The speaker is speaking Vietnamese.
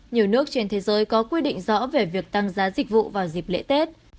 nhiều nước trên thế giới có quy định rõ về việc tăng giá dịch vụ vào dịp lễ tết